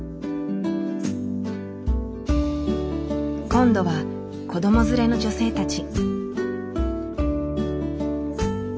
今度は子ども連れの女性たち。